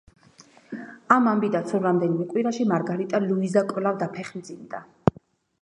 ამ ამბიდან სულ რამდენიმე კვირაში მარგარიტა ლუიზა კვლავ დაფეხმძიმდა.